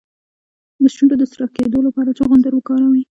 د شونډو د سره کیدو لپاره چغندر وکاروئ